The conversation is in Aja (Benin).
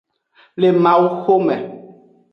Le mawu xome.